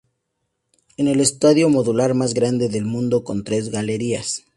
Es el estadio modular más grande del mundo con tres galerías.